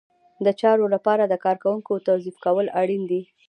د چارو لپاره د کارکوونکو توظیف کول اړین دي.